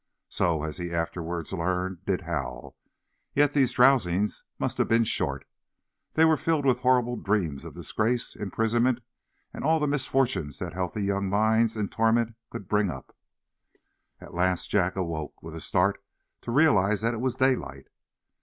So, as he afterwards learned, did Hal. Yet these drowsings must have been short. They were filled with horrible dreams of disgrace, imprisonment, and all the misfortunes that healthy young minds in torment could bring up. At last Jack awoke, with a start, to realize that it was daylight.